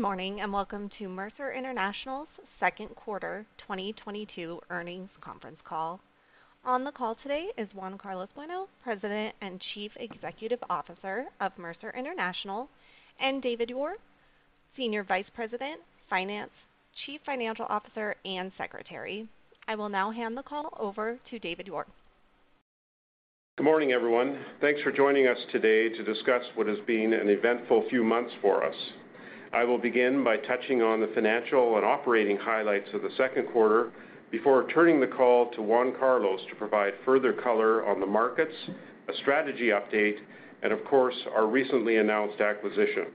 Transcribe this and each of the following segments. Good morning, and welcome to Mercer International's second quarter 2022 earnings conference call. On the call today is Juan Carlos Bueno, President and Chief Executive Officer of Mercer International, and David Ure, Senior Vice President, Finance, Chief Financial Officer, and Secretary. I will now hand the call over to David Ure. Good morning, everyone. Thanks for joining us today to discuss what has been an eventful few months for us. I will begin by touching on the financial and operating highlights of the second quarter before turning the call to Juan Carlos to provide further color on the markets, a strategy update, and of course, our recently announced acquisition.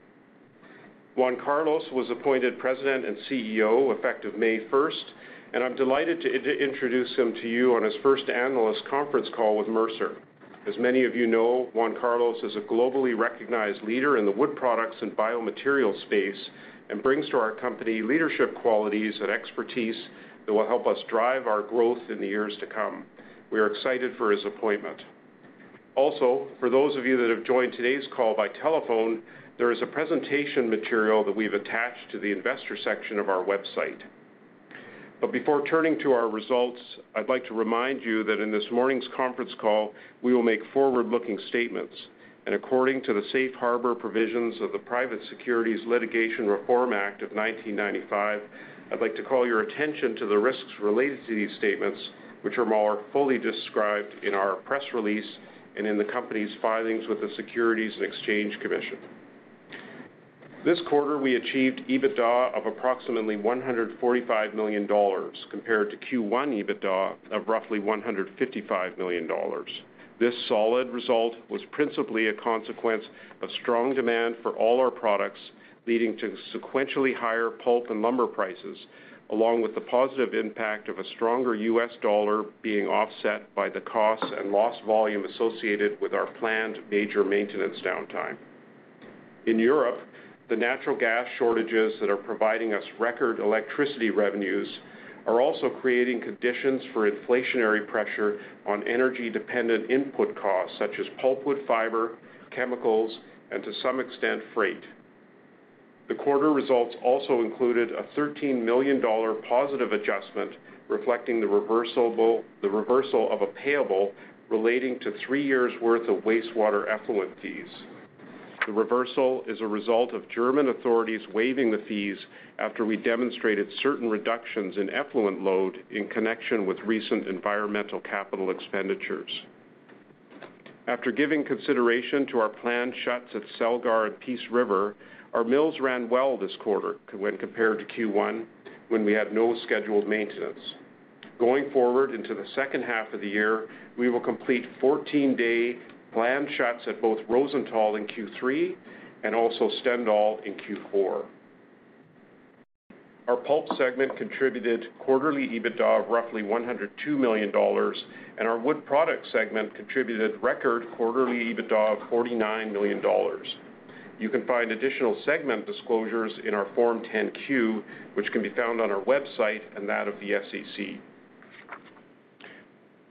Juan Carlos was appointed President and CEO effective May 1st, and I'm delighted to introduce him to you on his first analyst conference call with Mercer. As many of you know, Juan Carlos is a globally recognized leader in the wood products and biomaterial space and brings to our company leadership qualities and expertise that will help us drive our growth in the years to come. We are excited for his appointment. Also, for those of you that have joined today's call by telephone, there is a presentation material that we've attached to the investor section of our website. Before turning to our results, I'd like to remind you that in this morning's conference call, we will make forward-looking statements. According to the Safe Harbor provisions of the Private Securities Litigation Reform Act of 1995, I'd like to call your attention to the risks related to these statements, which are more fully described in our press release and in the company's filings with the Securities and Exchange Commission. This quarter, we achieved EBITDA of approximately $145 million compared to Q1 EBITDA of roughly $155 million. This solid result was principally a consequence of strong demand for all our products, leading to sequentially higher pulp and lumber prices, along with the positive impact of a stronger U.S. dollar being offset by the costs and lost volume associated with our planned major maintenance downtime. In Europe, the natural gas shortages that are providing us record electricity revenues are also creating conditions for inflationary pressure on energy-dependent input costs, such as pulpwood fiber, chemicals, and to some extent, freight. The quarter results also included a +$13 million adjustment reflecting the reversal of a payable relating to three years' worth of wastewater effluent fees. The reversal is a result of German authorities waiving the fees after we demonstrated certain reductions in effluent load in connection with recent environmental capital expenditures. After giving consideration to our planned shuts at Celgar and Peace River, our mills ran well this quarter when compared to Q1, when we had no scheduled maintenance. Going forward into the second half of the year, we will complete 14-day planned shuts at both Rosenthal in Q3 and also Stendal in Q4. Our pulp segment contributed quarterly EBITDA of roughly $102 million, and our wood product segment contributed record quarterly EBITDA of $49 million. You can find additional segment disclosures in our Form 10-Q, which can be found on our website and that of the SEC.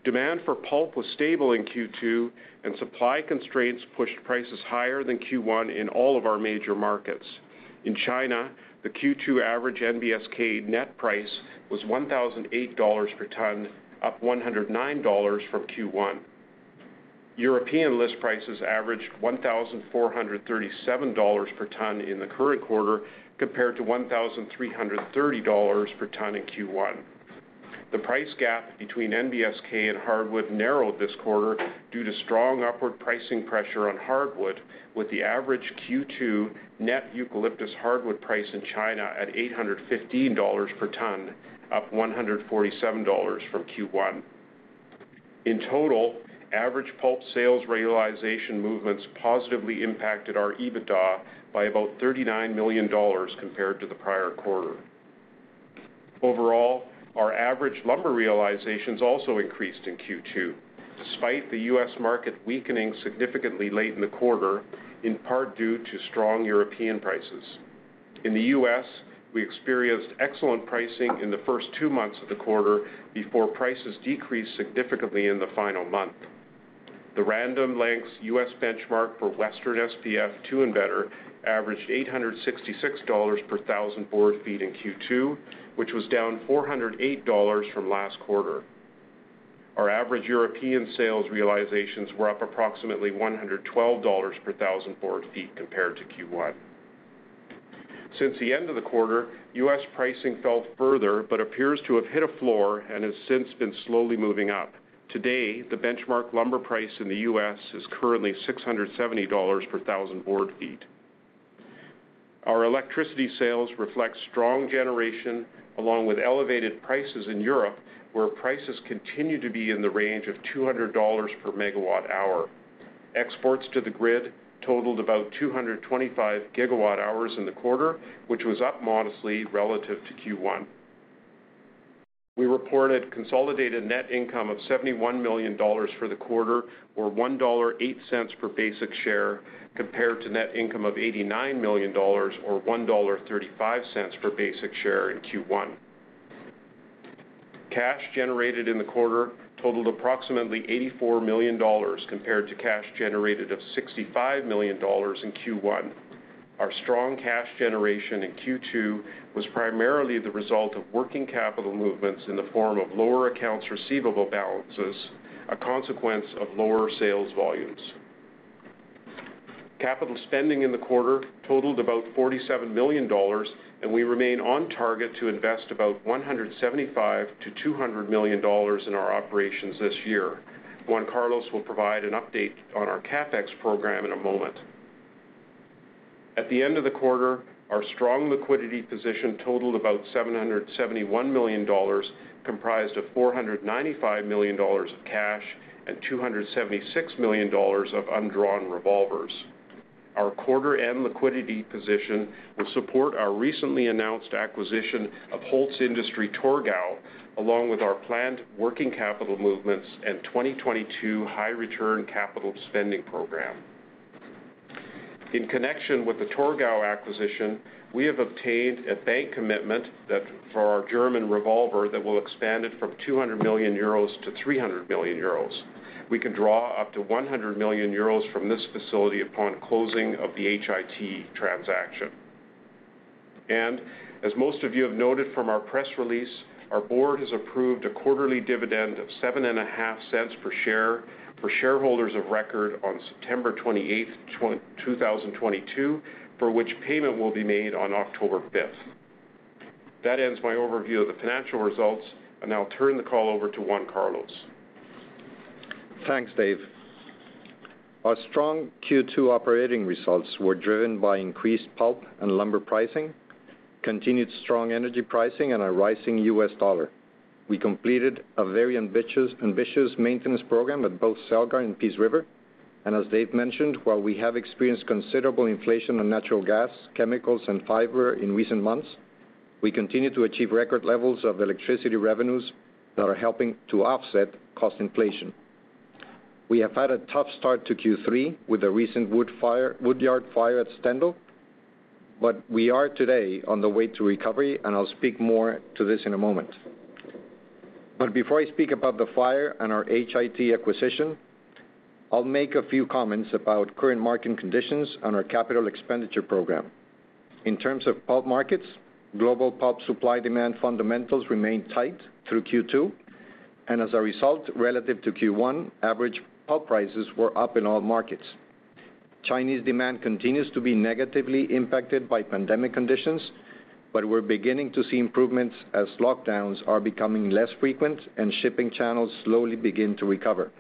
Demand for pulp was stable in Q2, and supply constraints pushed prices higher than Q1 in all of our major markets. In China, the Q2 average NBSK net price was $1,008 per ton, up $109 from Q1. European list prices averaged $1,437 per ton in the current quarter compared to $1,330 per ton in Q1. The price gap between NBSK and hardwood narrowed this quarter due to strong upward pricing pressure on hardwood, with the average Q2 net eucalyptus hardwood price in China at $815 per ton, up $147 from Q1. In total, average pulp sales realization movements positively impacted our EBITDA by about $39 million compared to the prior quarter. Overall, our average lumber realizations also increased in Q2, despite the U.S. market weakening significantly late in the quarter, in part due to strong European prices. In the U.S., we experienced excellent pricing in the first two months of the quarter before prices decreased significantly in the final month. The Random Lengths U.S. benchmark for Western SPF 2&btr averaged $866 per thousand board feet in Q2, which was down $408 from last quarter. Our average European sales realizations were up approximately $112 per thousand board feet compared to Q1. Since the end of the quarter, U.S. pricing fell further but appears to have hit a floor and has since been slowly moving up. Today, the benchmark lumber price in the U.S. is currently $670 per thousand board feet. Our electricity sales reflect strong generation along with elevated prices in Europe, where prices continue to be in the range of $200 per MWh. Exports to the grid totaled about 225 gigawatt hours in the quarter, which was up modestly relative to Q1. We reported consolidated net income of $71 million for the quarter or $1.08 per basic share compared to net income of $89 million or $1.35 per basic share in Q1. Cash generated in the quarter totaled approximately $84 million compared to cash generated of $65 million in Q1. Our strong cash generation in Q2 was primarily the result of working capital movements in the form of lower accounts receivable balances, a consequence of lower sales volumes. Capital spending in the quarter totaled about $47 million, and we remain on target to invest about $175 million-$200 million in our operations this year. Juan Carlos will provide an update on our CapEx program in a moment. At the end of the quarter, our strong liquidity position totalled about $771 million, comprised of $495 million of cash and $276 million of undrawn revolvers. Our quarter-end liquidity position will support our recently announced acquisition of Holzindustrie Torgau, along with our planned working capital movements and 2022 high-return capital spending program. In connection with the Torgau acquisition, we have obtained a bank commitment that for our German revolver that will expand it from 200 million euros to 300 million euros. We can draw up to 100 million euros from this facility upon closing of the HIT transaction. As most of you have noted from our press release, our board has approved a quarterly dividend of $0.075 per share for shareholders of record on September 28, 2022, for which payment will be made on October 5th. That ends my overview of the financial results. I now turn the call over to Juan Carlos. Thanks, Dave. Our strong Q2 operating results were driven by increased pulp and lumber pricing, continued strong energy pricing, and a rising U.S. dollar. We completed a very ambitious maintenance program at both Celgar and Peace River. As Dave mentioned, while we have experienced considerable inflation on natural gas, chemicals, and fiber in recent months, we continue to achieve record levels of electricity revenues that are helping to offset cost inflation. We have had a tough start to Q3 with the recent woodyard fire at Stendal, but we are today on the way to recovery, and I'll speak more to this in a moment. Before I speak about the fire and our HIT acquisition, I'll make a few comments about current market conditions and our capital expenditure program. In terms of pulp markets, global pulp supply-demand fundamentals remain tight through Q2, and as a result, relative to Q1, average pulp prices were up in all markets. Chinese demand continues to be negatively impacted by pandemic conditions, but we're beginning to see improvements as lockdowns are becoming less frequent and shipping channels slowly begin to recover.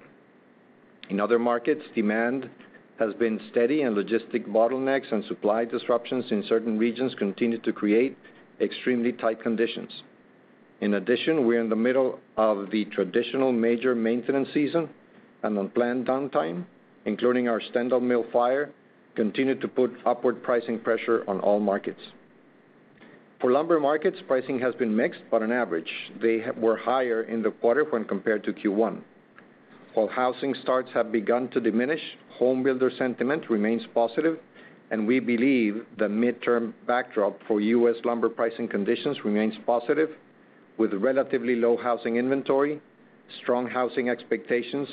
In other markets, demand has been steady and logistic bottlenecks and supply disruptions in certain regions continue to create extremely tight conditions. In addition, we're in the middle of the traditional major maintenance season, and unplanned downtime, including our Stendal mill fire, continued to put upward pricing pressure on all markets. For lumber markets, pricing has been mixed, but on average they were higher in the quarter when compared to Q1. While housing starts have begun to diminish, home builder sentiment remains positive, and we believe the midterm backdrop for U.S. lumber pricing conditions remains positive with relatively low housing inventory, strong housing expectations,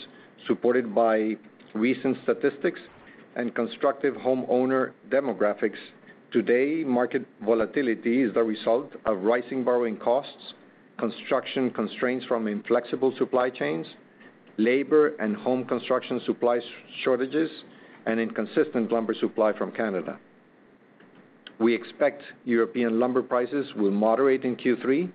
supported by recent statistics and constructive homeowner demographics. Today, market volatility is the result of rising borrowing costs, construction constraints from inflexible supply chains, labor and home construction supply shortages, and inconsistent lumber supply from Canada. We expect European lumber prices will moderate in Q3,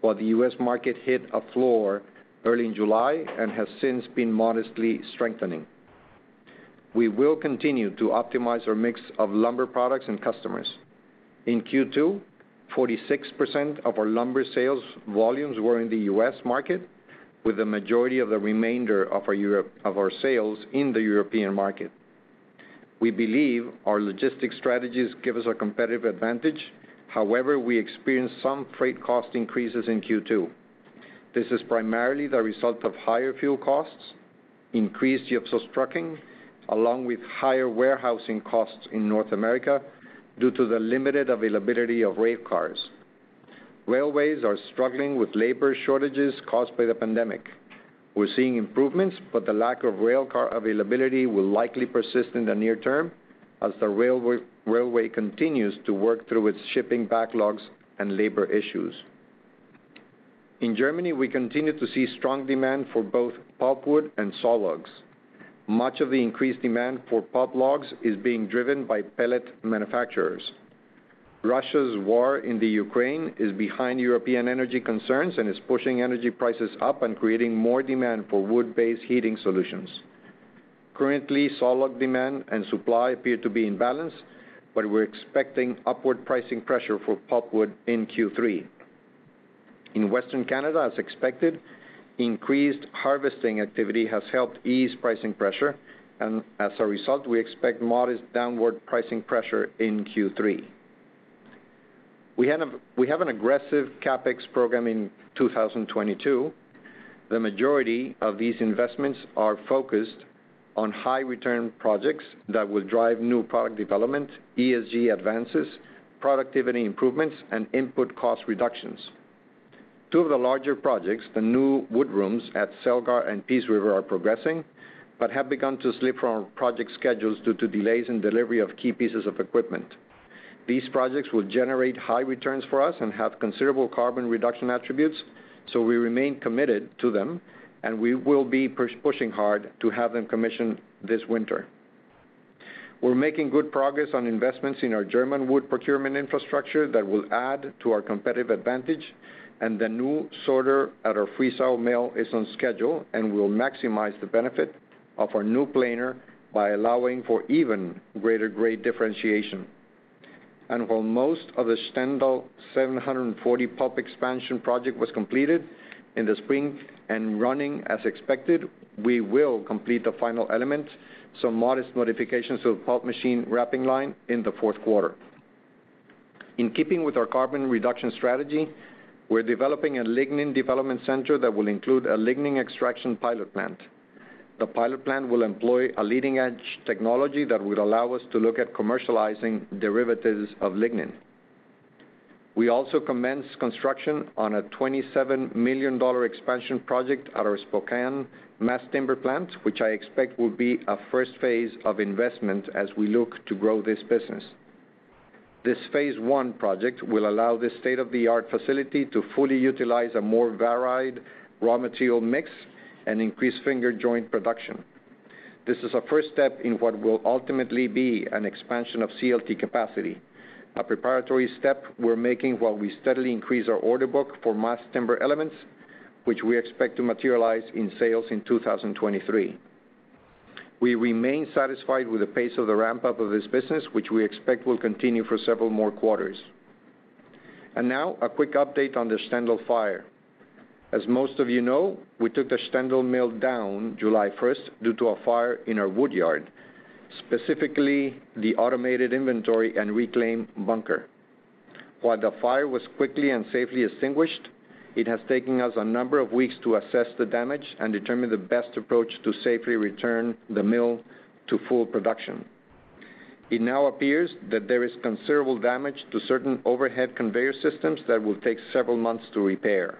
while the U.S. market hit a floor early in July and has since been modestly strengthening. We will continue to optimize our mix of lumber products and customers. In Q2, 46% of our lumber sales volumes were in the U.S. market, with the majority of the remainder of our sales in the European market. We believe our logistics strategies give us a competitive advantage. However, we experienced some freight cost increases in Q2. This is primarily the result of higher fuel costs, increased gypsum trucking, along with higher warehousing costs in North America due to the limited availability of railcars. Railways are struggling with labor shortages caused by the pandemic. We're seeing improvements, but the lack of railcar availability will likely persist in the near term as the railway continues to work through its shipping backlogs and labor issues. In Germany, we continue to see strong demand for both pulpwood and sawlogs. Much of the increased demand for pulp logs is being driven by pellet manufacturers. Russia's war in the Ukraine is behind European energy concerns and is pushing energy prices up and creating more demand for wood-based heating solutions. Currently, sawlog demand and supply appear to be in balance, but we're expecting upward pricing pressure for pulpwood in Q3. In Western Canada, as expected, increased harvesting activity has helped ease pricing pressure, and as a result, we expect modest downward pricing pressure in Q3. We have an aggressive CapEx program in 2022. The majority of these investments are focused on high-return projects that will drive new product development, ESG advances, productivity improvements, and input cost reductions. Two of the larger projects, the new wood rooms at Celgar and Peace River, are progressing, but have begun to slip from project schedules due to delays in delivery of key pieces of equipment. These projects will generate high returns for us and have considerable carbon reduction attributes, so we remain committed to them and we will be pushing hard to have them commissioned this winter. We're making good progress on investments in our German wood procurement infrastructure that will add to our competitive advantage, and the new sorter at our Friesau mill is on schedule and will maximize the benefit of our new planer by allowing for even greater grade differentiation. While most of the Stendal 740 pulp expansion project was completed in the spring and running as expected, we will complete the final element, some modest modifications to the pulp machine wrapping line, in the fourth quarter. In keeping with our carbon reduction strategy, we're developing a lignin development center that will include a lignin extraction pilot plant. The pilot plant will employ a leading-edge technology that will allow us to look at commercializing derivatives of lignin. We also commenced construction on a $27 million expansion project at our Spokane mass timber plant, which I expect will be a first phase of investment as we look to grow this business. This phase one project will allow this state-of-the-art facility to fully utilize a more varied raw material mix and increase finger joint production. This is a first step in what will ultimately be an expansion of CLT capacity, a preparatory step we're making while we steadily increase our order book for mass timber elements, which we expect to materialize in sales in 2023. We remain satisfied with the pace of the ramp-up of this business, which we expect will continue for several more quarters. Now, a quick update on the Stendal fire. As most of you know, we took the Stendal mill down July first due to a fire in our wood yard, specifically the automated inventory and reclaim bunker. While the fire was quickly and safely extinguished, it has taken us a number of weeks to assess the damage and determine the best approach to safely return the mill to full production. It now appears that there is considerable damage to certain overhead conveyor systems that will take several months to repair.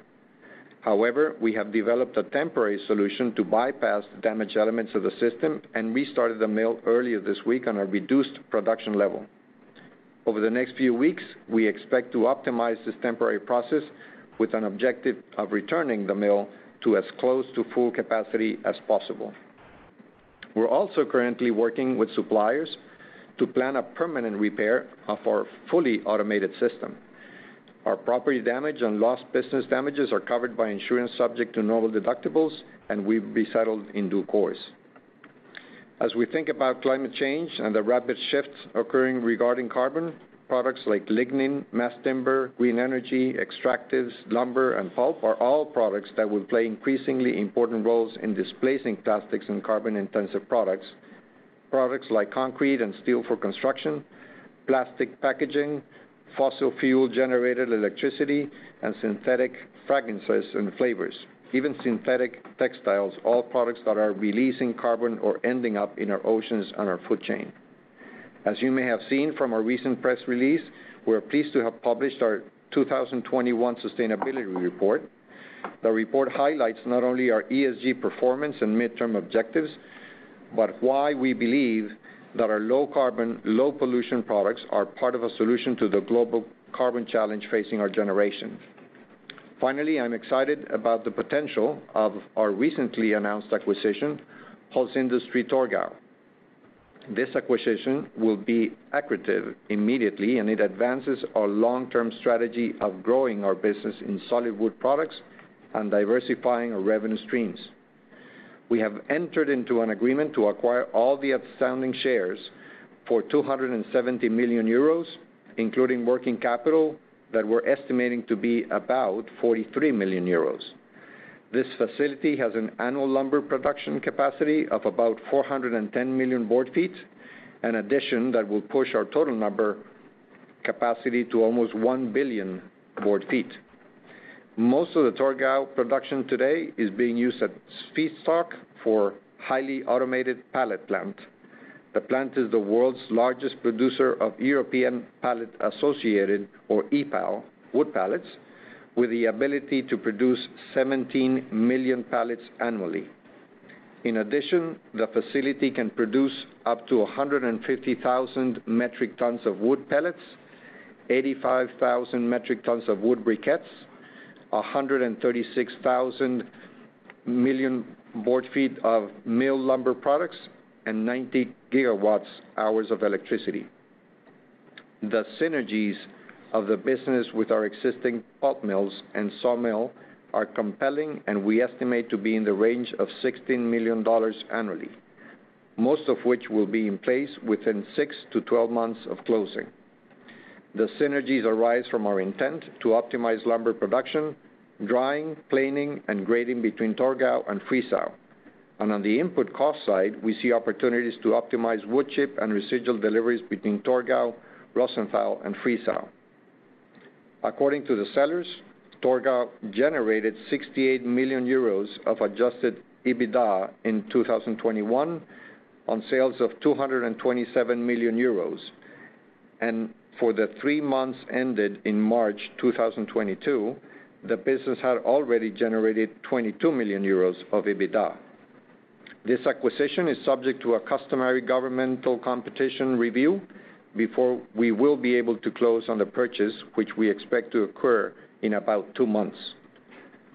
However, we have developed a temporary solution to bypass the damaged elements of the system and restarted the mill earlier this week on a reduced production level. Over the next few weeks, we expect to optimize this temporary process with an objective of returning the mill to as close to full capacity as possible. We're also currently working with suppliers to plan a permanent repair of our fully automated system. Our property damage and lost business damages are covered by insurance, subject to normal deductibles, and will be settled in due course. As we think about climate change and the rapid shifts occurring regarding carbon, products like lignin, mass timber, green energy, extractives, lumber, and pulp are all products that will play increasingly important roles in displacing plastics and carbon-intensive products. Products like concrete and steel for construction, plastic packaging, fossil fuel-generated electricity, and synthetic fragrances and flavours, even synthetic textiles, all products that are releasing carbon or ending up in our oceans and our food chain. As you may have seen from our recent press release, we're pleased to have published our 2021 sustainability report. The report highlights not only our ESG performance and midterm objectives, but why we believe that our low-carbon, low-pollution products are part of a solution to the global carbon challenge facing our generation. Finally, I'm excited about the potential of our recently announced acquisition, Holzindustrie Torgau. This acquisition will be accretive immediately, and it advances our long-term strategy of growing our business in solid wood products and diversifying our revenue streams. We have entered into an agreement to acquire all the outstanding shares for 270 million euros, including working capital that we're estimating to be about 43 million euros. This facility has an annual lumber production capacity of about 410 million board feet, an addition that will push our total number capacity to almost 1 billion board feet. Most of the Torgau production today is being used as feedstock for highly automated pallet plant. The plant is the world's largest producer of European Pallet Association, or EPAL, wood pallets, with the ability to produce 17 million pallets annually. In addition, the facility can produce up to 150,000 metric tons of wood pellets, 85,000 metric tons of wood briquettes, 136,000 million board feet of milled lumber products, and 90 gigawatt hours of electricity. The synergies of the business with our existing pulp mills and sawmill are compelling, and we estimate to be in the range of $16 million annually, most of which will be in place within six to 12 months of closing. The synergies arise from our intent to optimize lumber production, drying, cleaning, and grading between Torgau and Friesau. On the input cost side, we see opportunities to optimize wood chip and residual deliveries between Torgau, Rosenthal, and Friesau. According to the sellers, Torgau generated 68 million euros of adjusted EBITDA in 2021 on sales of 227 million euros. For the three months ended in March 2022, the business had already generated 22 million euros of EBITDA. This acquisition is subject to a customary governmental competition review before we will be able to close on the purchase, which we expect to occur in about two months.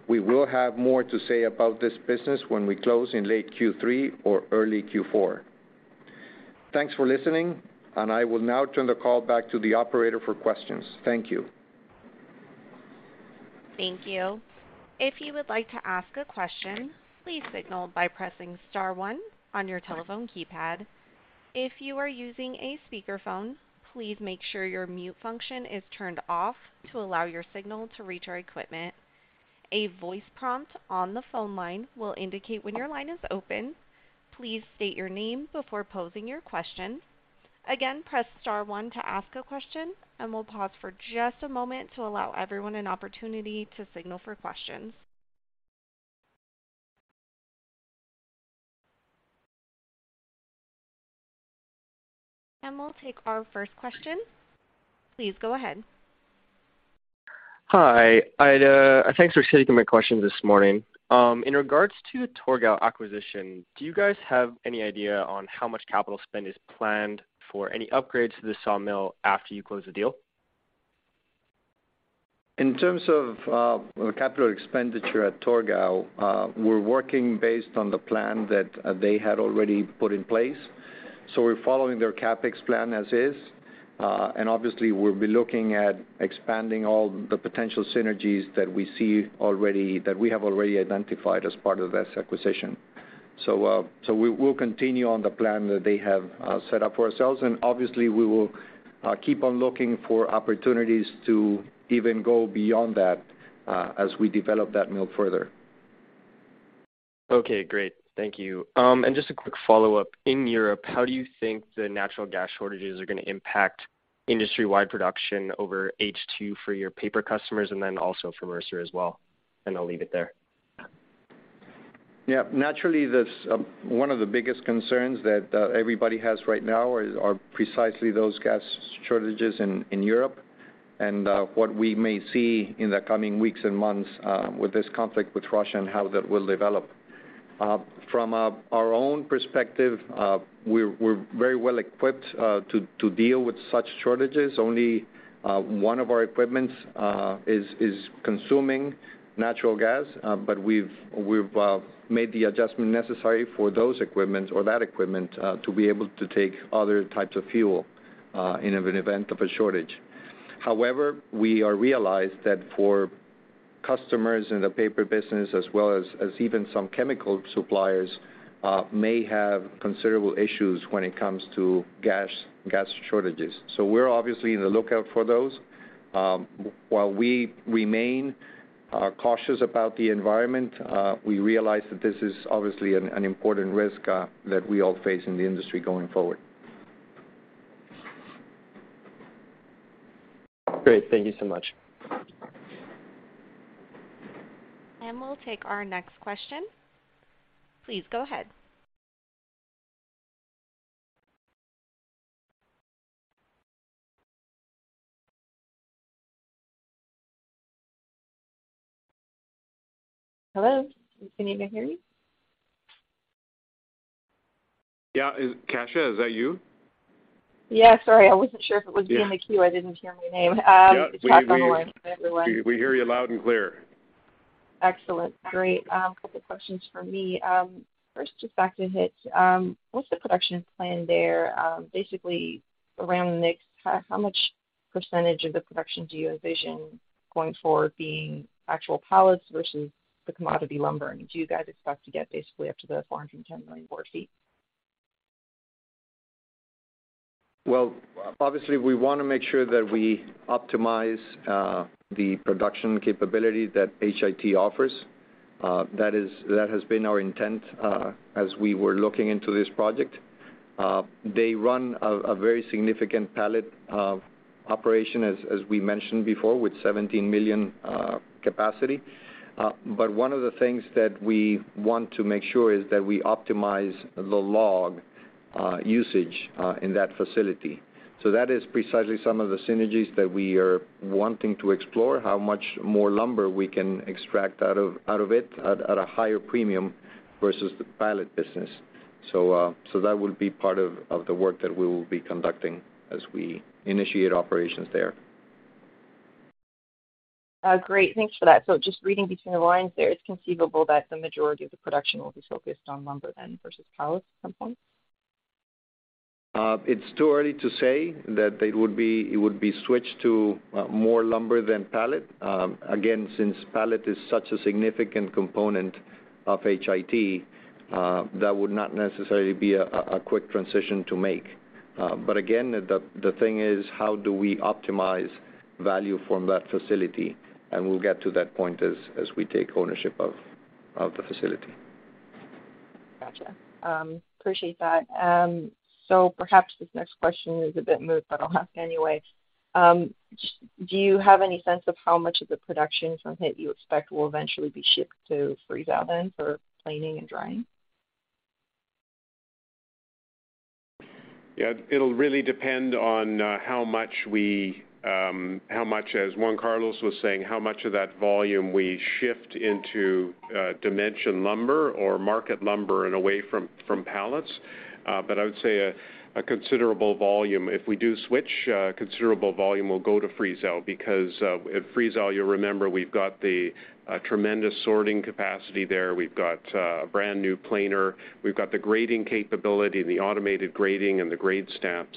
We will have more to say about this business when we close in late Q3 or early Q4. Thanks for listening, and I will now turn the call back to the operator for questions. Thank you. Thank you. If you would like to ask a question, please signal by pressing star one on your telephone keypad. If you are using a speakerphone, please make sure your mute function is turned off to allow your signal to reach our equipment. A voice prompt on the phone line will indicate when your line is open. Please state your name before posing your question. Again, press star one to ask a question, and we'll pause for just a moment to allow everyone an opportunity to signal for questions. We'll take our first question. Please go ahead. Hi, Ida. Thanks for taking my question this morning. In regards to Torgau acquisition, do you guys have any idea on how much capital spend is planned for any upgrades to the sawmill after you close the deal? In terms of capital expenditure at Torgau, we're working based on the plan that they had already put in place. We're following their CapEx plan as is. Obviously, we'll be looking at expanding all the potential synergies that we have already identified as part of this acquisition. We will continue on the plan that they have set up for ourselves, and obviously, we will keep on looking for opportunities to even go beyond that, as we develop that mill further. Okay, great. Thank you. Just a quick follow-up. In Europe, how do you think the natural gas shortages are gonna impact industry-wide production over H2 for your paper customers and then also for Mercer as well? I'll leave it there. Yeah. Naturally, that's one of the biggest concerns that everybody has right now are precisely those gas shortages in Europe and what we may see in the coming weeks and months with this conflict with Russia and how that will develop. From our own perspective, we're very well equipped to deal with such shortages. Only one of our equipments is consuming natural gas, but we've made the adjustment necessary for those equipments or that equipment to be able to take other types of fuel in an event of a shortage. However, we realize that for customers in the paper business, a,s well as even some chemical suppliers, may have considerable issues when it comes to gas shortages. We're obviously on the lookout for those. While we remain cautious about the environment, we realize that this is obviously an important risk that we all face in the industry going forward. Great. Thank you so much. We'll take our next question. Please go ahead. Hello? Can you hear me? Yeah. Kasia, is that you? Yeah. Sorry, I wasn't sure if it was in the queue. I didn't hear my name. It's Kasia on the line. Yeah. We hear you. Hi, everyone. We hear you loud and clear. Excellent. Great. A couple of questions for me. First, just back to HIT. What's the production plan there? Basically, around the mix, how much percentage of the production do you envision going forward being actual pallets versus the commodity lumber? And do you guys expect to get basically up to 410 million board feet? Well, obviously, we want to make sure that we optimize the production capability that HIT offers. That has been our intent as we were looking into this project. They run a very significant pallet operation, as we mentioned before, with 17 million capacity. But one of the things that we want to make sure is that we optimize the log usage in that facility. That is precisely some of the synergies that we are wanting to explore how much more lumber we can extract out of it at a higher premium versus the pallet business. That will be part of the work that we will be conducting as we initiate operations there. Great. Thanks for that. Just reading between the lines there, it's conceivable that the majority of the production will be focused on lumber then versus pallets at some point? It's too early to say that it would be switched to more lumber than pallet. Again, since pallet is such a significant component of HIT, that would not necessarily be a quick transition to make. Again, the thing is, how do we optimize value from that facility? We'll get to that point as we take ownership of the facility. Gotcha. Appreciate that. Perhaps this next question is a bit moot, but I'll ask anyway. Do you have any sense of how much of the production from HIT you expect will eventually be shipped to Friesau, then for planing and drying? Yeah. It'll really depend on how much, as Juan Carlos was saying, how much of that volume we shift into dimension lumber or market lumber and away from pallets. I would say a considerable volume. If we do switch, a considerable volume will go to Friesau because at Friesau, you'll remember, we've got the tremendous sorting capacity there. We've got a brand-new planer. We've got the grading capability, the automated grading and the grade stamp.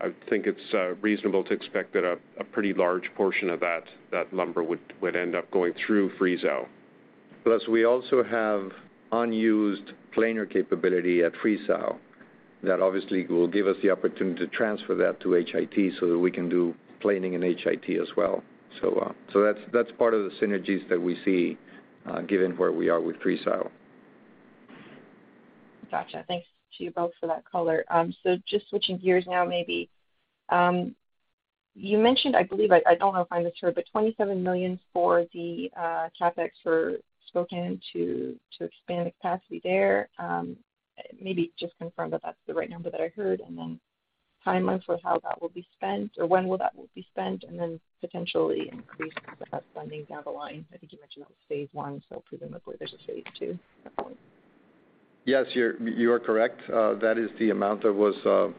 I think it's reasonable to expect that a pretty large portion of that lumber would end up going through Friesau. Plus, we also have unused planer capability at Friesau that obviously will give us the opportunity to transfer that to HIT so that we can do planing in HIT as well. That's part of the synergies that we see, given where we are with Friesau. Gotcha. Thanks to you both for that color. Just switching gears now, maybe. You mentioned, I believe, I don't know if I'm sure, but $27 million for the CapEx for Spokane to expand the capacity there. Maybe just confirm that that's the right number that I heard, and then timelines for how that will be spent or when that will be spent, and then potentially increasing that spending down the line. I think you mentioned that was phase one, so presumably there's a phase two at that point. Yes, you are correct. That is the amount that was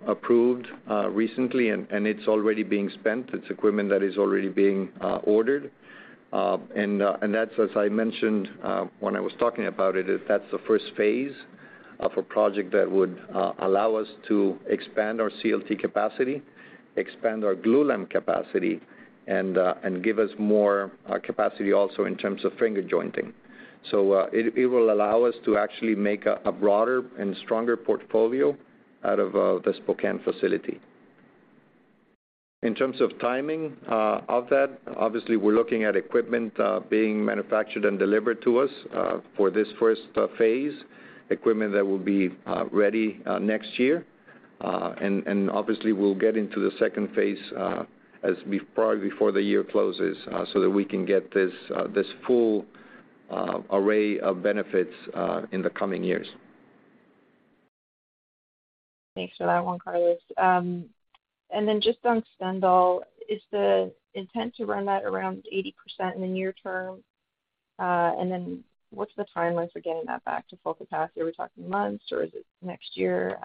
approved recently, and it's already being spent. It's equipment that is already being ordered. That's as I mentioned, when I was talking about it, that's the first phase of a project that would allow us to expand our CLT capacity, expand our glulam capacity, and give us more capacity also in terms of finger jointing. It will allow us to actually make a broader and stronger portfolio out of the Spokane facility. In terms of timing of that, obviously, we're looking at equipment being manufactured and delivered to us for this first phase, equipment that will be ready next year. Obviously, we'll get into the second phase as probably before the year closes, so that we can get this full array of benefits in the coming years. Thanks for that, Juan Carlos. Just on Stendal, is the intent to run that around 80% in the near term? What's the timeline for getting that back to full capacity? Are we talking months, or is it next year?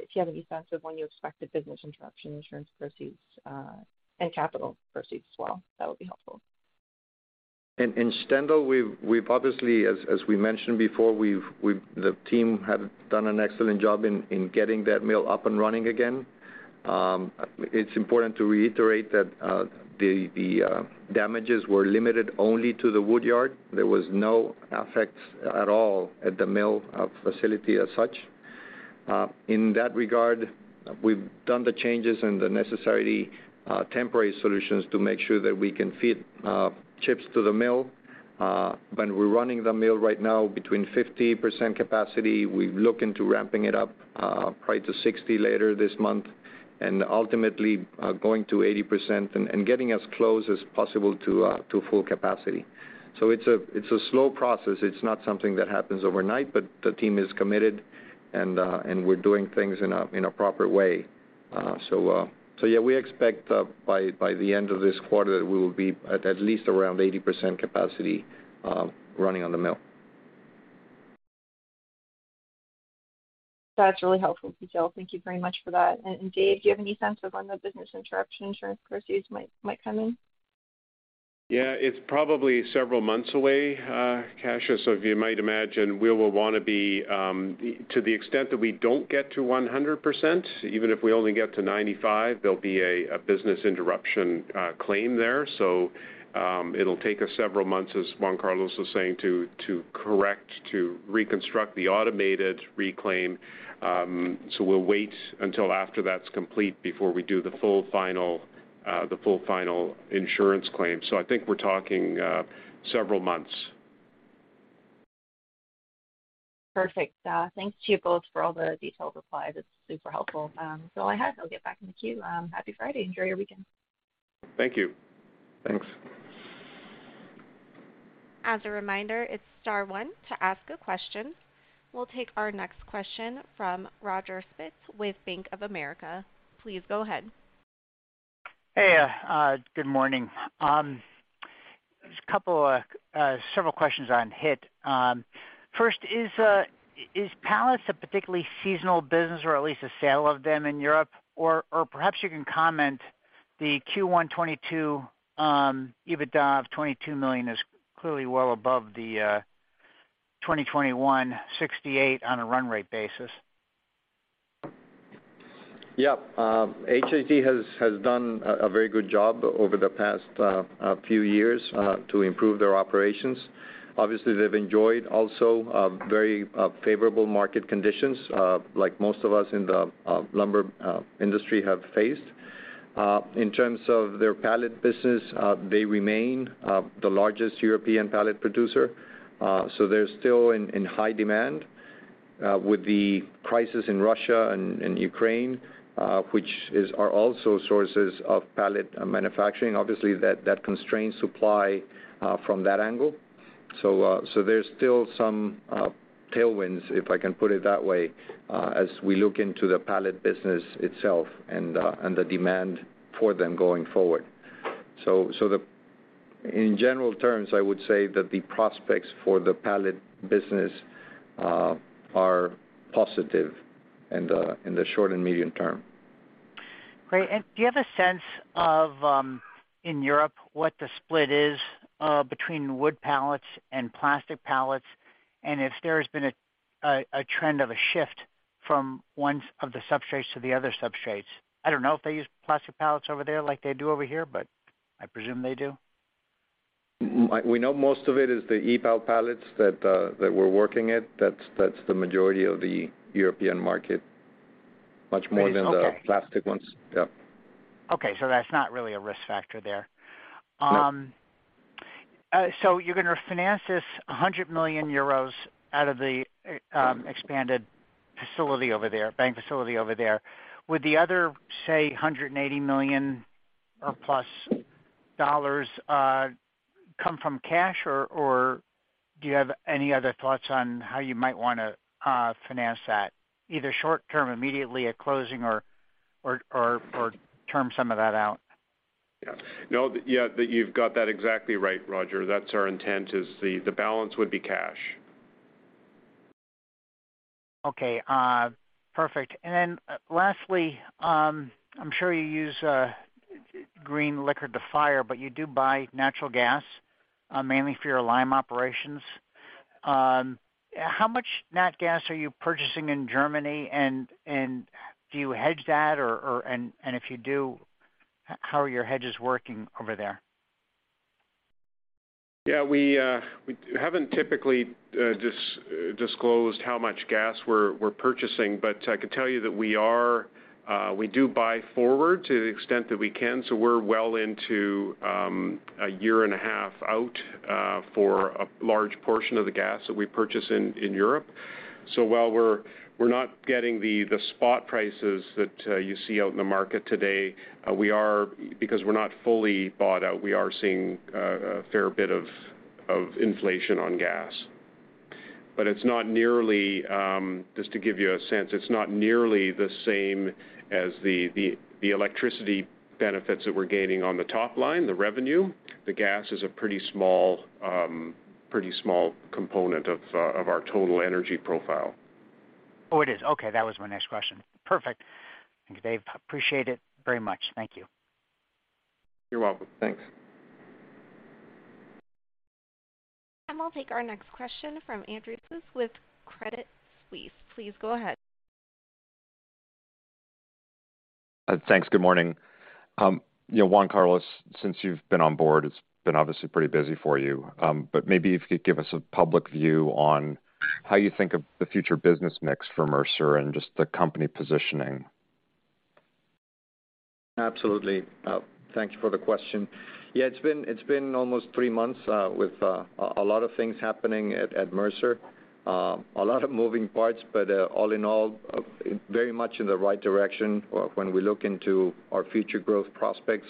If you have any sense of when you expect the business interruption insurance proceeds and capital proceeds as well, that would be helpful. In Stendal, we've obviously, as we mentioned before, the team have done an excellent job in getting that mill up and running again. It's important to reiterate that the damages were limited only to the woodyard. There was no effect at all at the mill facility as such. In that regard, we've done the changes and the necessary temporary solutions to make sure that we can feed chips to the mill. When we're running the mill right now at 50% capacity, we're looking to ramp it up probably to 60% later this month and ultimately going to 80% and getting as close as possible to full capacity. It's a slow process. It's not something that happens overnight, but the team is committed, and we're doing things in a proper way. Yeah, we expect by the end of this quarter that we will be at least around 80% capacity running on the mill. That's really helpful detail. Thank you very much for that. Dave, do you have any sense of when the business interruption insurance proceeds might come in? Yeah. It's probably several months away, Kasia. You might imagine we will wanna be, to the extent that we don't get to 100%, even if we only get to 95%, there'll be a business interruption claim there. It'll take us several months, as Juan Carlos was saying, to correct, to reconstruct the automated reclaim. We'll wait until after that's complete before we do the full final insurance claim. I think we're talking several months. Perfect. Thanks to you both for all the detailed replies. It's super helpful. That's all I have. I'll get back in the queue. Happy Friday. Enjoy your weekend. Thank you. Thanks. As a reminder, it's star one to ask a question. We'll take our next question from Roger Spitz with Bank of America. Please go ahead. Hey, good morning. Just several questions on HIT. First, is pallets a particularly seasonal business, or at least the sale of them in Europe? Or perhaps you can comment the Q1 2022 EBITDA of $22 million is clearly well above the 2021 $68 on a run rate basis. Yeah. HIT has done a very good job over the past few years to improve their operations. Obviously, they've enjoyed also very favourable market conditions like most of us in the lumber industry have faced. In terms of their pallet business, they remain the largest European pallet producer. They're still in high demand with the crisis in Russia and Ukraine, which are also sources of pallet manufacturing, obviously, that constrains supply from that angle. There's still some tailwinds, if I can put it that way, as we look into the pallet business itself and the demand for them going forward. In general terms, I would say that the prospects for the pallet business are positive in the short and medium term. Great. Do you have a sense of, in Europe, what the split is between wood pallets and plastic pallets? If there has been a trend of a shift from one of the substrates to the other substrates? I don't know if they use plastic pallets over there like they do over here, but I presume they do. We know most of it is the EPAL pallets that we're working at. That's the majority of the European market, much more than the plastic ones. Yeah. Okay. That's not really a risk factor there. No. You're gonna finance this 100 million euros out of the expanded facility over there, bank facility over there. Would the other, say, 180 million or plus dollars, come from cash or do you have any other thoughts on how you might wanna finance that? Either short-term, immediately at closing or term some of that out. Yeah. No, yeah. You've got that exactly right, Roger. That's our intent, is the balance would be cash. Okay. Perfect. Lastly, I'm sure you use green liquor to fire, but you do buy natural gas mainly for your lime operations. How much nat gas are you purchasing in Germany? Do you hedge that, and if you do, how are your hedges working over there? Yeah, we haven't typically disclosed how much gas we're purchasing, but I can tell you that we do buy forward to the extent that we can, so we're well into a year and a half out for a large portion of the gas that we purchase in Europe. While we're not getting the spot prices that you see out in the market today, because we're not fully bought out, we are seeing a fair bit of inflation on gas. It's not nearly, just to give you a sense, it's not nearly the same as the electricity benefits that we're gaining on the top line, the revenue. The gas is a pretty small component of our total energy profile. Oh, it is. Okay. That was my next question. Perfect. Thank you, David, appreciate it very much. Thank you. You're welcome. Thanks. We'll take our next question from Andrew Kuske with Credit Suisse. Please go ahead. Thanks. Good morning. You know, Juan Carlos, since you've been on board, it's been obviously pretty busy for you. Maybe if you could give us a public view on how you think of the future business mix for Mercer and just the company positioning. Absolutely. Thank you for the question. Yeah, it's been almost three months with a lot of things happening at Mercer. A lot of moving parts, but all in all, very much in the right direction when we look into our future growth prospects.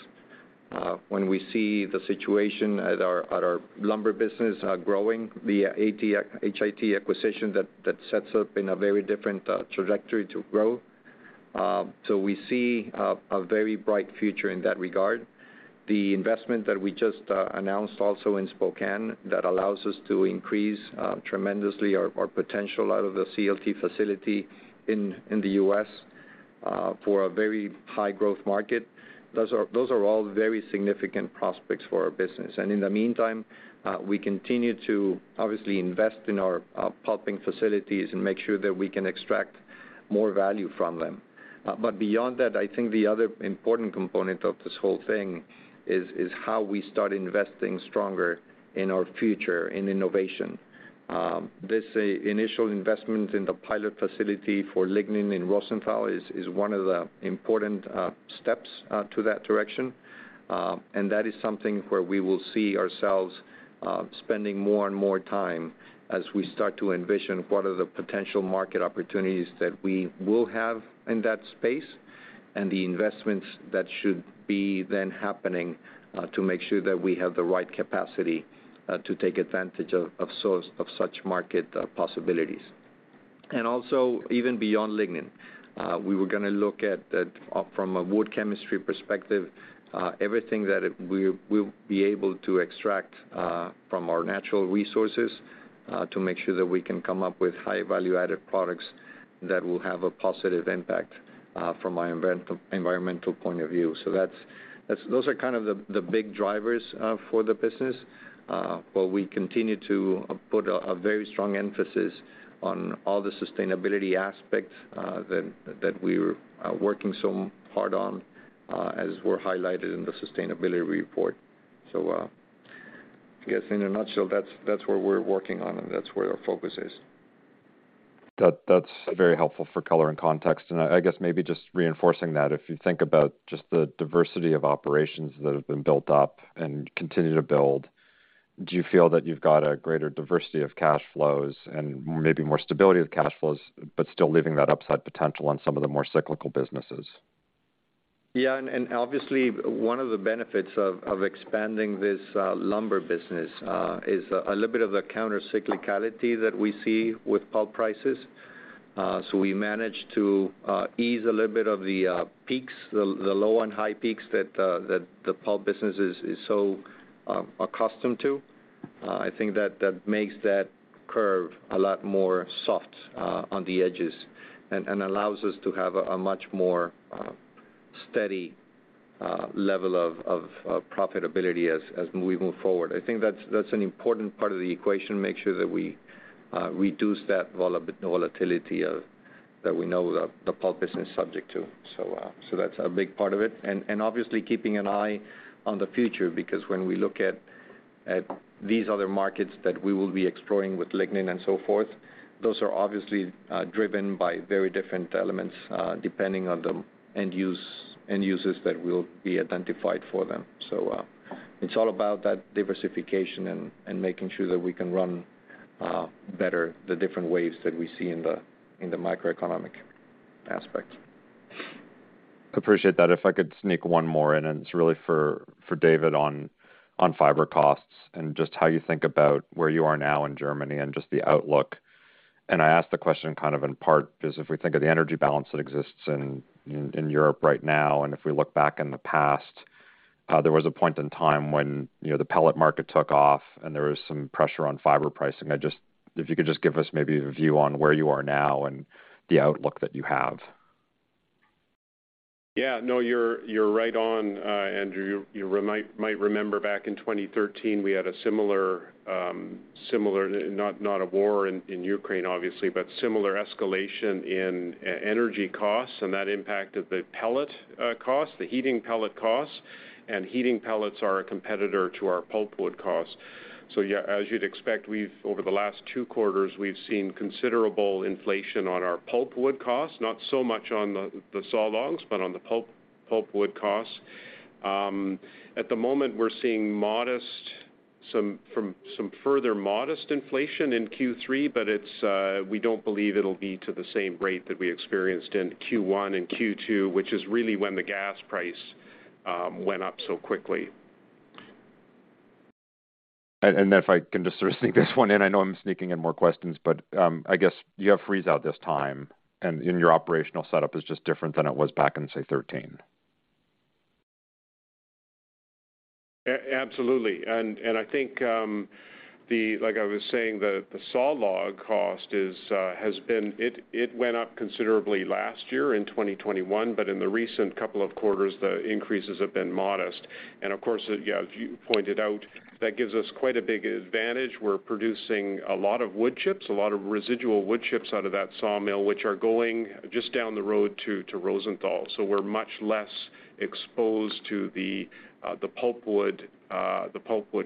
When we see the situation at our lumber business growing via HIT acquisition that sets up in a very different trajectory to grow. We see a very bright future in that regard. The investment that we just announced also in Spokane that allows us to increase tremendously our potential out of the CLT facility in the U.S. for a very high growth market. Those are all very significant prospects for our business. In the meantime, we continue to obviously invest in our pulping facilities and make sure that we can extract more value from them. Beyond that, I think the other important component of this whole thing is how we start investing stronger in our future in innovation. This initial investment in the pilot facility for lignin in Rosenthal is one of the important steps to that direction. That is something where we will see ourselves spending more and more time as we start to envision what are the potential market opportunities that we will have in that space, and the investments that should be then happening to make sure that we have the right capacity to take advantage of such market possibilities. Also even beyond lignin, we were gonna look at from a wood chemistry perspective, everything that we'll be able to extract from our natural resources to make sure that we can come up with high value-added products that will have a positive impact from an environmental point of view. Those are kind of the big drivers for the business. We continue to put a very strong emphasis on all the sustainability aspects that we're working so hard on, as were highlighted in the sustainability report. I guess in a nutshell, that's where we're working on and that's where our focus is. That's very helpful for color and context. I guess maybe just reinforcing that, if you think about just the diversity of operations that have been built up and continue to build, do you feel that you've got a greater diversity of cash flows and maybe more stability of cash flows, but still leaving that upside potential on some of the more cyclical businesses? Obviously, one of the benefits of expanding this lumber business is a little bit of the counter-cyclicality that we see with pulp prices. We manage to ease a little bit of the peaks, the low and high peaks that the pulp business is so accustomed to. I think that makes that curve a lot more soft on the edges and allows us to have a much more steady level of profitability as we move forward. I think that's an important part of the equation, make sure that we reduce that volatility that we know the pulp business is subject to. That's a big part of it. Obviously, keeping an eye on the future because when we look at these other markets that we will be exploring with lignin and so forth, those are obviously driven by very different elements depending on the end users that will be identified for them. It's all about that diversification and making sure that we can run better the different ways that we see in the microeconomic aspect. Appreciate that. If I could sneak one more in, and it's really for David on fiber costs and just how you think about where you are now in Germany and just the outlook. I ask the question kind of in part because if we think of the energy balance that exists in Europe right now, and if we look back in the past, there was a point in time when, you know, the pellet market took off and there was some pressure on fiber pricing. If you could just give us maybe a view on where you are now and the outlook that you have. Yeah. No, you're right on, Andrew. You might remember back in 2013, we had a similar, not a war in Ukraine, obviously, but a similar escalation in energy costs and that impacted the pellet cost, the heating pellet cost, and heating pellets are a competitor to our pulpwood cost. Yeah, as you'd expect, we've over the last two quarters, we've seen considerable inflation on our pulpwood costs, not so much on the sawlogs, but on the pulpwood costs. At the moment, we're seeing some further modest inflation in Q3, but we don't believe it'll be to the same rate that we experienced in Q1 and Q2, which is really when the gas price went up so quickly. If I can just sort of sneak this one in, I know I'm sneaking in more questions, but, I guess you have Friesau this time, and your operational setup is just different than it was back in, say, 2013. Absolutely. I think, like I was saying, the sawlog cost has been. It went up considerably last year in 2021, but in the recent couple of quarters, the increases have been modest. Of course, as you pointed out, that gives us quite a big advantage. We're producing a lot of wood chips, a lot of residual wood chips out of that sawmill, which are going just down the road to Rosenthal. We're much less exposed to the pulpwood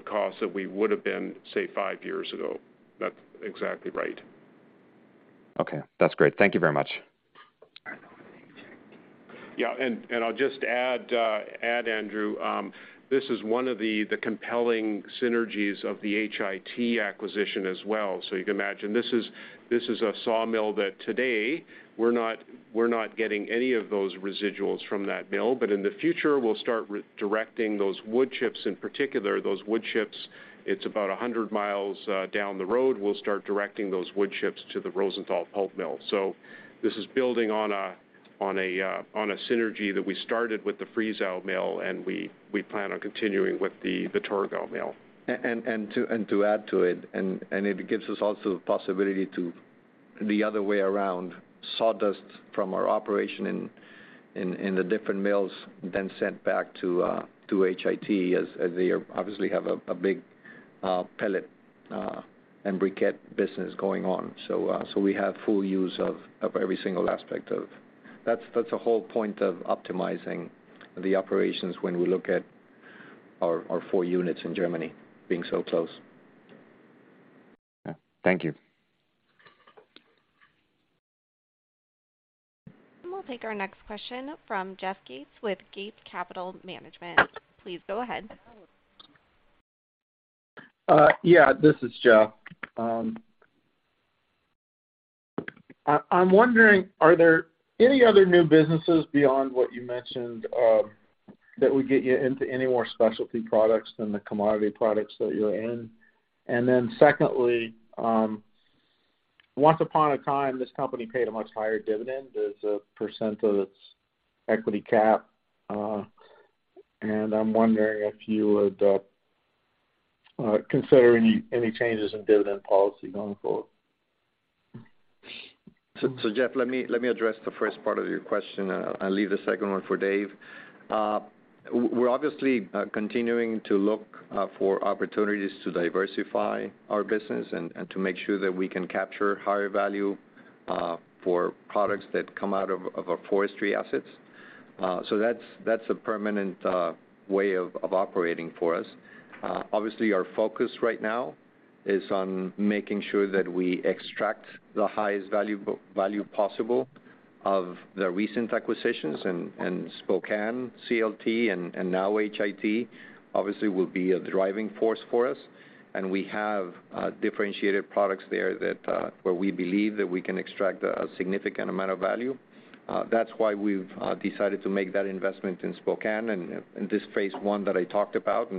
costs that we would have been, say, five years ago. That's exactly right. Okay. That's great. Thank you very much. Yeah. I'll just add, Andrew, this is one of the compelling synergies of the HIT acquisition as well. You can imagine this is a sawmill that today we're not getting any of those residuals from that mill, but in the future, we'll start redirecting those wood chips, in particular, those wood chips, it's about 100 miles down the road. We'll start directing those wood chips to the Rosenthal pulp mill. This is building on a synergy that we started with the Friesau mill and we plan on continuing with the Torgau mill. To add to it gives us also the possibility the other way around, sawdust from our operation in the different mills then sent back to HIT as they obviously have a big pellet and briquette business going on. We have full use of every single aspect. That's the whole point of optimizing the operations when we look at our four units in Germany being so close. Yeah. Thank you. We'll take our next question from Jeff Gates with Gates Capital Management. Please go ahead. Yeah, this is Jeff. I'm wondering, are there any other new businesses beyond what you mentioned that would get you into any more specialty products than the commodity products that you're in? Secondly, once upon a time, this company paid a much higher dividend as a percent of its equity cap, and I'm wondering if you would consider any changes in dividend policy going forward. Jeff, let me address the first part of your question. I'll leave the second one for David. We're obviously continuing to look for opportunities to diversify our business and to make sure that we can capture higher value for products that come out of our forestry assets. That's a permanent way of operating for us. Obviously, our focus right now is on making sure that we extract the highest value possible of the recent acquisitions in Spokane, CLT, and now HIT. Obviously, it will be a driving force for us. We have differentiated products there that where we believe that we can extract a significant amount of value. That's why we've decided to make that investment in Spokane and in this phase one that I talked about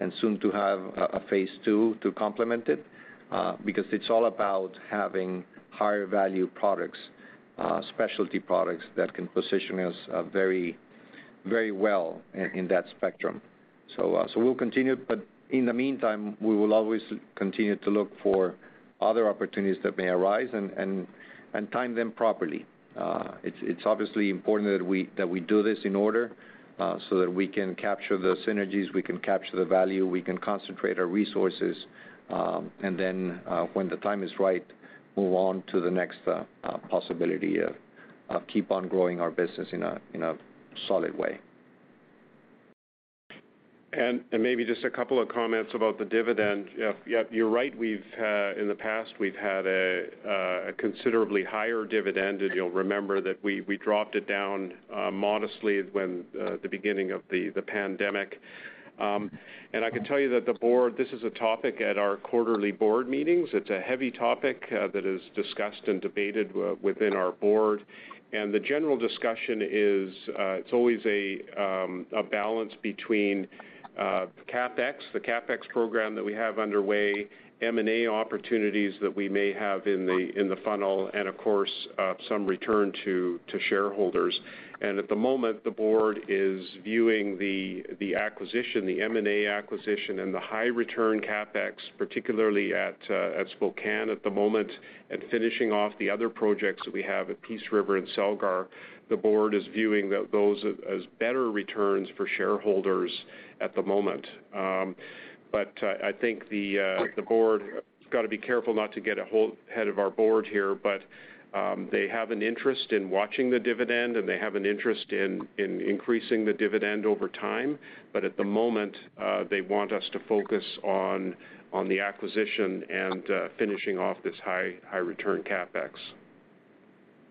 and soon to have a phase two to complement it, because it's all about having higher value products, specialty products that can position us very well in that spectrum. We'll continue. In the meantime, we will always continue to look for other opportunities that may arise and time them properly. It's obviously important that we do this in order so that we can capture the synergies, we can capture the value, we can concentrate our resources. When the time is right, move on to the next possibility of keep on growing our business in a solid way. Maybe just a couple of comments about the dividend. You're right, we've had. In the past, we've had a considerably higher dividend, and you'll remember that we dropped it down modestly when the beginning of the pandemic. I can tell you that the board, this is a topic at our quarterly board meetings. It's a heavy topic that is discussed and debated within our board. The general discussion is, it's always a balance between CapEx, the CapEx program that we have underway, M&A opportunities that we may have in the funnel, and of course, some return to shareholders. At the moment, the board is viewing the acquisition, the M&A acquisition and the high-return CapEx, particularly at Spokane at the moment, and finishing off the other projects that we have at Peace River and Celgar, those as better returns for shareholders at the moment. I think the board gotta be careful not to get ahead of our board here, but they have an interest in watching the dividend, and they have an interest in increasing the dividend over time. At the moment, they want us to focus on the acquisition and finishing off this high-return CapEx.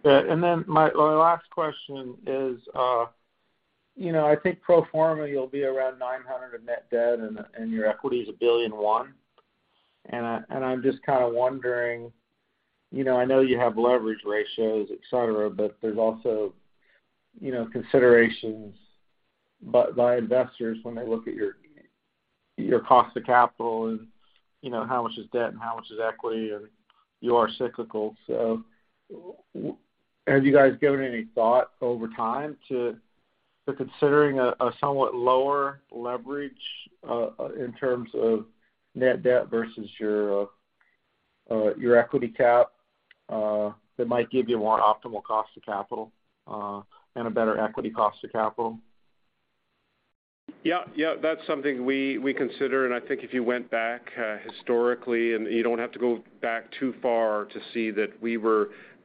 Yeah. Then my last question is, you know, I think pro forma, you'll be around $900 million in net debt and your equity is $1.1 billion. I'm just kinda wondering, you know, I know you have leverage ratios, et cetera, but there's also, you know, considerations by investors when they look at your cost to capital and, you know, how much is debt and how much is equity, and you are cyclical. Have you guys given any thought over time to considering a somewhat lower leverage in terms of net debt versus your equity cap that might give you a more optimal cost to capital and a better equity cost to capital? Yeah. That's something we consider. I think if you went back historically, and you don't have to go back too far to see that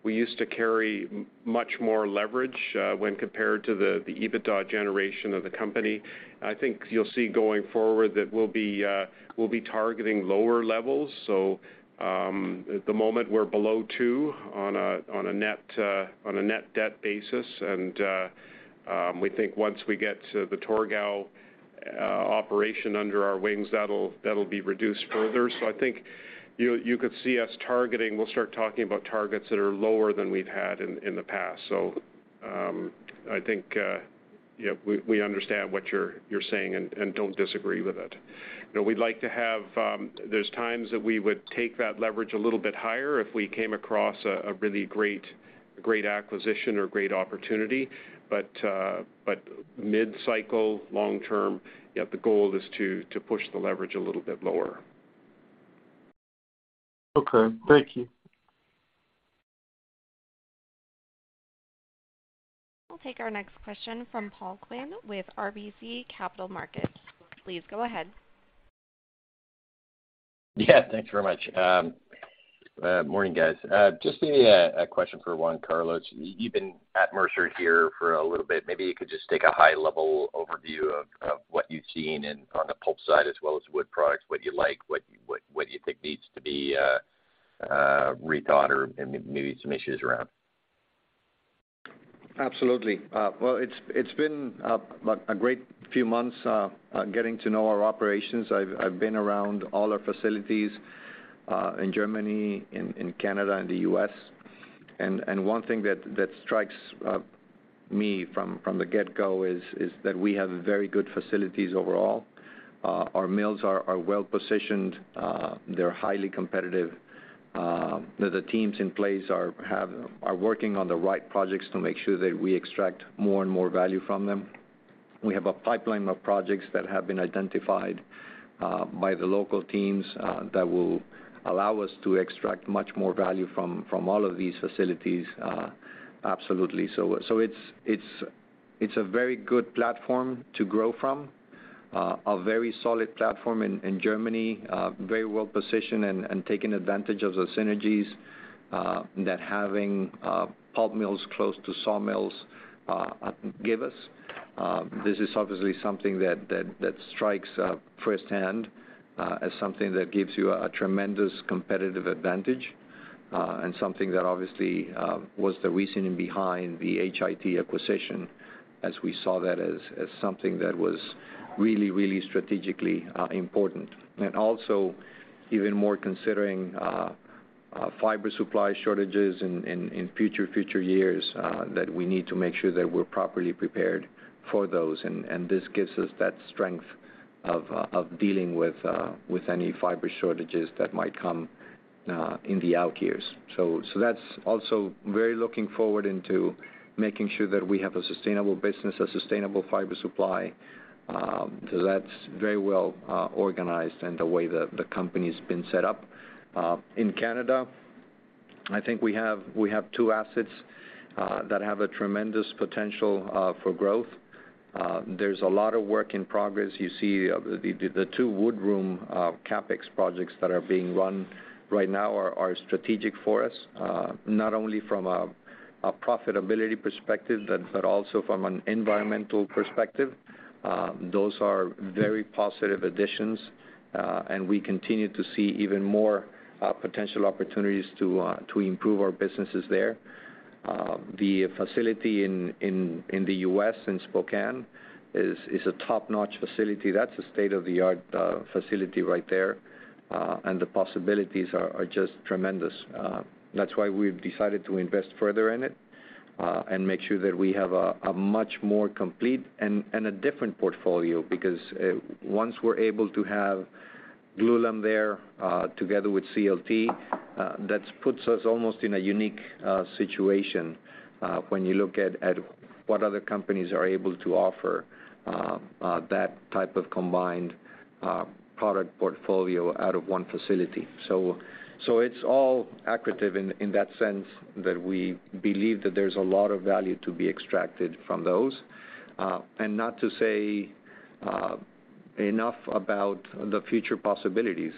we used to carry much more leverage when compared to the EBITDA generation of the company. I think you'll see going forward that we'll be targeting lower levels. At the moment, we're below 2 on a net debt basis. We think once we get the Torgau operation under our wings, that'll be reduced further. I think you could see us targeting. We'll start talking about targets that are lower than we've had in the past. I think we understand what you're saying and don't disagree with it. You know, we'd like to have, there's times that we would take that leverage a little bit higher if we came across a really great acquisition or great opportunity. Mid-cycle, long term, yeah, the goal is to push the leverage a little bit lower. Okay. Thank you. We'll take our next question from Paul Quinn with RBC Capital Markets. Please go ahead. Yeah, thanks very much. Morning, guys. Just maybe a question for Juan Carlos. You've been at Mercer here for a little bit. Maybe you could just take a high-level overview of what you've seen in on the pulp side as well as wood products, what you like, what you think needs to be rethought or maybe some issues around. Absolutely. Well, it's been a great few months getting to know our operations. I've been around all our facilities in Germany, in Canada, and the U.S. One thing that strikes me from the get-go is that we have very good facilities overall. Our mills are well-positioned. They're highly competitive. The teams in place are working on the right projects to make sure that we extract more and more value from them. We have a pipeline of projects that have been identified by the local teams that will allow us to extract much more value from all of these facilities. It's a very good platform to grow from, a very solid platform in Germany, very well-positioned and taking advantage of the synergies that having pulp mills close to sawmills gives us. This is obviously something that strikes firsthand as something that gives you a tremendous competitive advantage, and something that obviously was the reasoning behind the HIT acquisition as we saw that as something that was really strategically important. Also even more considering fiber supply shortages in future years that we need to make sure that we're properly prepared for those and this gives us that strength of dealing with any fiber shortages that might come in the out years. That's also very forward-looking in making sure that we have a sustainable business, a sustainable fiber supply, so that's very well organized in the way the company's been set up. In Canada, I think we have two assets that have a tremendous potential for growth. There's a lot of work in progress. You see the two wood room CapEx projects that are being run right now are strategic for us, not only from a profitability perspective but also from an environmental perspective. Those are very positive additions, and we continue to see even more potential opportunities to improve our businesses there. The facility in the U.S., in Spokane, is a top-notch facility. That's a state-of-the-art facility right there, and the possibilities are just tremendous. That's why we've decided to invest further in it, and make sure that we have a much more complete and a different portfolio because once we're able to have glulam there, together with CLT, that's puts us almost in a unique situation, when you look at what other companies are able to offer that type of combined product portfolio out of one facility. It's all accretive in that sense that we believe that there's a lot of value to be extracted from those. Not to say enough about the future possibilities.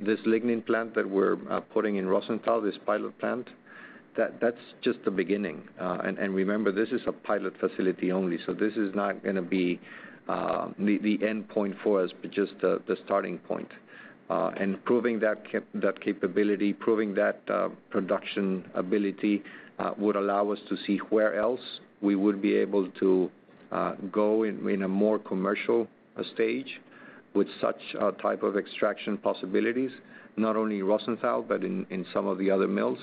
This lignin plant that we're putting in Rosenthal, this pilot plant, that's just the beginning. Remember, this is a pilot facility only, so this is not gonna be the endpoint for us, but just the starting point. Proving that capability, proving that production ability would allow us to see where else we would be able to go in a more commercial stage with such a type of extraction possibilities, not only Rosenthal, but in some of the other mills.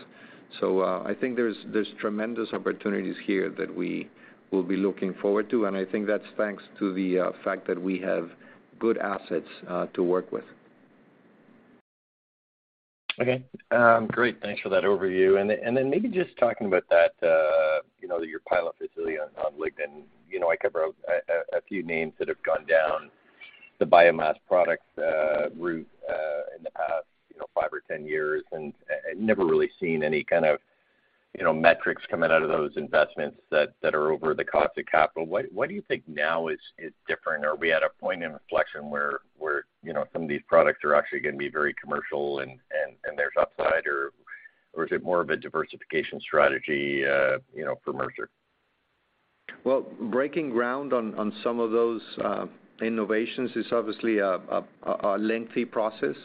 I think there's tremendous opportunities here that we will be looking forward to, and I think that's thanks to the fact that we have good assets to work with. Okay. Great, thanks for that overview. Then maybe just talking about that, you know, your pilot facility on lignin. You know, I cover a few names that have gone down the biomass products route in the past, you know, five or ten years, and I've never really seen any kind of, you know, metrics coming out of those investments that are over the cost of capital. What do you think now is different? Are we at a point of inflection where, you know, some of these products are actually gonna be very commercial and there's upside or is it more of a diversification strategy for Mercer? Well, breaking ground on some of those innovations is obviously a lengthy process.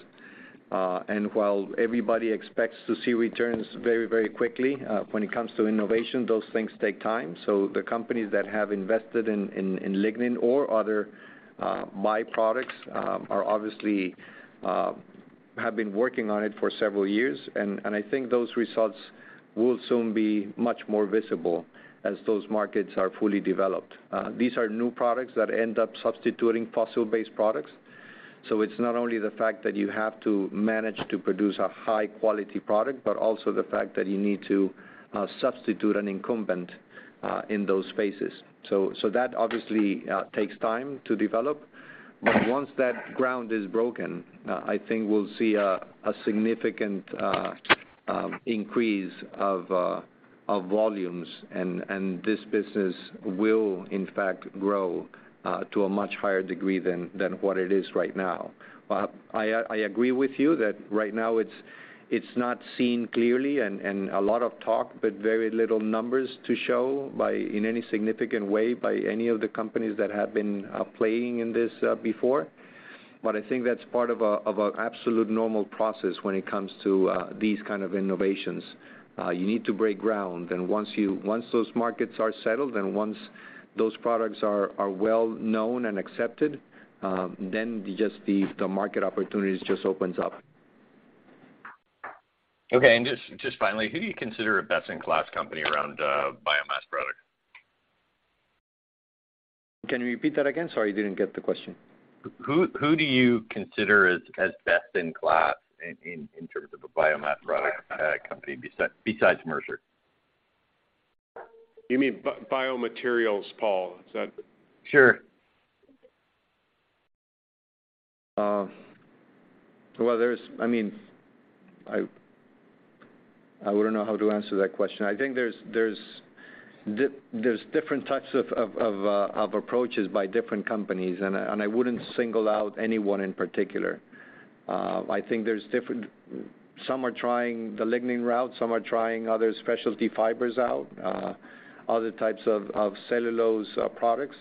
While everybody expects to see returns very, very quickly, when it comes to innovation, those things take time. The companies that have invested in lignin or other byproducts are obviously have been working on it for several years. I think those results will soon be much more visible as those markets are fully developed. These are new products that end up substituting fossil-based products. It's not only the fact that you have to manage to produce a high-quality product, but also the fact that you need to substitute an incumbent in those spaces. That obviously takes time to develop. Once that ground is broken, I think we'll see a significant increase of volumes and this business will, in fact grow to a much higher degree than what it is right now. I agree with you that right now it's not seen clearly and a lot of talk, but very little numbers to show by in any significant way by any of the companies that have been playing in this before. I think that's part of an absolute normal process when it comes to these kind of innovations. You need to break ground, and once those markets are settled and once those products are well known and accepted, then just the market opportunities just opens up. Okay. Just finally, who do you consider a best-in-class company around biomass products? Can you repeat that again? Sorry, didn't get the question. Who do you consider as best in class in terms of a biomass product company besides Mercer? You mean biomaterials, Paul? Sure. Well, I mean, I wouldn't know how to answer that question. I think there's different types of approaches by different companies, and I wouldn't single out anyone in particular. I think there's different. Some are trying the lignin route, some are trying other specialty fibers out, other types of cellulose products.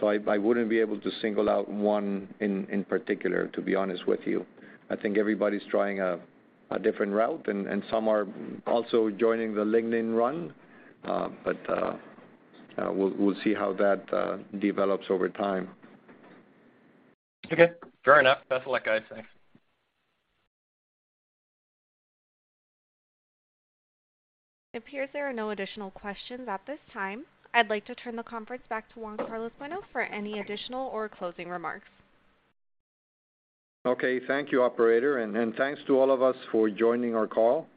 So I wouldn't be able to single out one in particular, to be honest with you. I think everybody's trying a different route, and some are also joining the lignin run. We'll see how that develops over time. Okay, fair enough. Best of luck, guys. Thanks. It appears there are no additional questions at this time. I'd like to turn the conference back to Juan Carlos Bueno for any additional or closing remarks. Okay. Thank you, operator. Thanks to all of us for joining our call.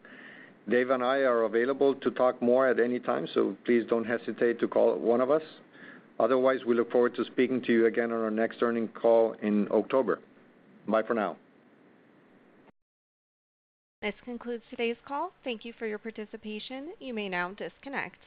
Dave and I are available to talk more at any time, so please don't hesitate to call one of us. Otherwise, we look forward to speaking to you again on our next earnings call in October. Bye for now. This concludes today's call. Thank you for your participation. You may now disconnect.